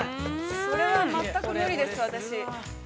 ◆それは全く無理です、私。